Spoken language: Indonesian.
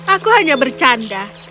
aku hanya bercanda